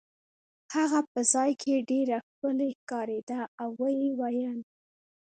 هغه په ځای کې ډېره ښکلې ښکارېده او ویې ویل.